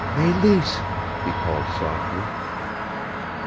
"Meleese!" he called softly.